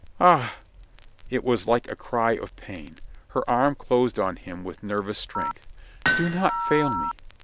... Ah !" It was like a cry of pain. Her arm closed on him with nervous strength. "Do not fail me